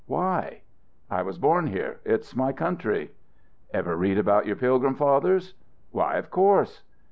"Why?" "I was born here. It's my country." "Ever read about your Pilgrim Fathers?" "Why, of course."